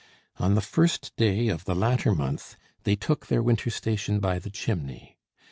On the first day of the latter month they took their winter station by the chimney.